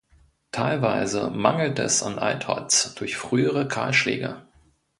Teilweise mangelt es an Altholz durch frühere Kahlschläge.